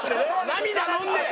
涙のんで。